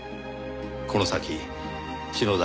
この先篠崎